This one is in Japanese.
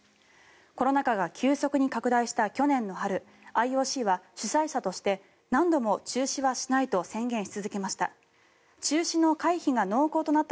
コロナ禍が急速に拡大した去年春ＩＯＣは主催者として何度も中止はしないと宣言し続けました。